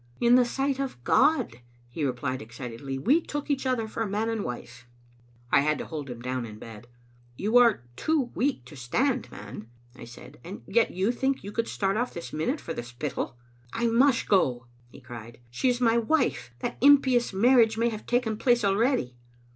" In the sight of God," he replied excitedly, " we took each other for man and wife. " I had to hold him down in bed. "Yon are too weak to stand, man," I said, "and yet you think you could start oflE this minute for the Spittal." " I must go," he cried. " She is my wife. That im pious marriage may have taken place already."